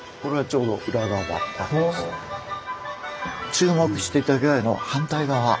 注目して頂きたいのは反対側。